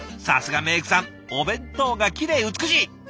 さすがメークさんお弁当がきれい美しい！